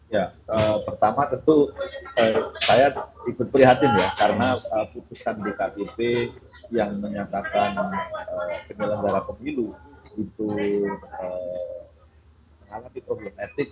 ya pertama tentu saya ikut prihatin ya karena putusan dkpp yang menyatakan penyelenggara pemilu itu mengalami problem etik